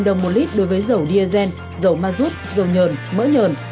một đồng một lít đối với dầu diesel dầu mazut dầu nhờn mỡ nhờn